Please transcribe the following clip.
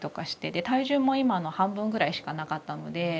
で体重も今の半分ぐらいしかなかったので。